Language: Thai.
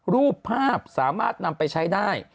รูปภาพสามารถนำไปใช้ได้